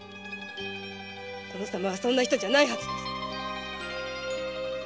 殿様はそんな人じゃないはずです！